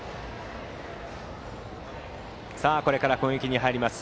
これから攻撃に入ります